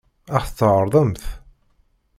Ad ɣ-t-tɛeṛḍemt?